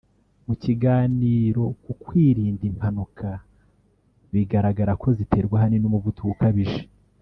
mu kiganiro ku kwirinda impanuka bigaragara ko ziterwa ahanini n’umuvuduko ukabije